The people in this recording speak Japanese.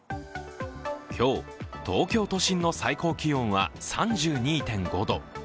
今日、東京都心の最高気温は３２．５度。